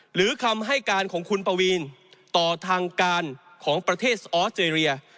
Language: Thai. หรือคำให้การของคุณปวีนต่อทางการของประเทศออสเตรเลีย